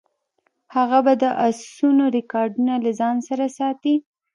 هغه به د اسونو ریکارډونه له ځان سره ساتل.